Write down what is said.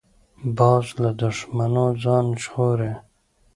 باز له دوښمنو ځان ژغوري